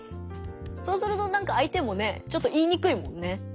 そうするとなんか相手もねちょっと言いにくいもんね。